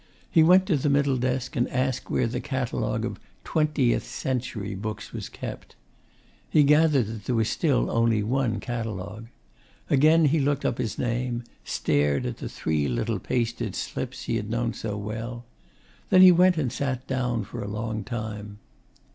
He went to the middle desk and asked where the catalogue of TWENTIETH century books was kept. He gathered that there was still only one catalogue. Again he looked up his name, stared at the three little pasted slips he had known so well. Then he went and sat down for a long time....